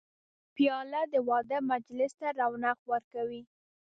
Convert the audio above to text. پیاله د واده مجلس ته رونق ورکوي.